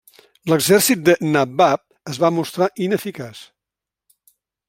L'exèrcit del nabab es va mostrar ineficaç.